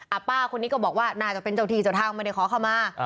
ป้าคนนี้ก็บอกว่าน่าจะเป็นเจ้าที่เจ้าทางไม่ได้ขอเข้ามา